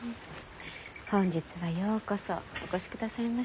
本日はようこそお越しくださいました。